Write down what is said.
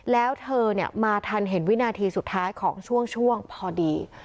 แล้วเธอมาทันเห็นวินาทีสุดท้ายของช่วงพอดี